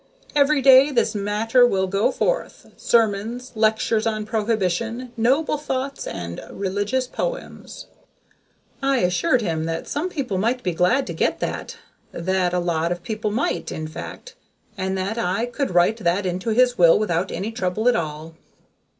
Every day this matter will go forth sermons, lectures on prohibition, noble thoughts and religious poems." I assured him that some people might be glad to get that that a lot of people might, in fact, and that I could write that into his will without any trouble at all.